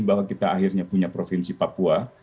bahwa kita akhirnya punya provinsi papua